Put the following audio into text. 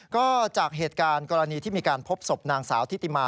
ก็จากเหตุการณ์กรณีที่มีการพบศพนางสาวทิติมา